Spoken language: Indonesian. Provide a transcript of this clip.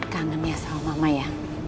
kangen ya sama mama ya